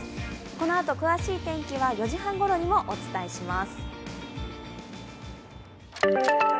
このあと詳しい天気は４時半ごろにもお伝えします。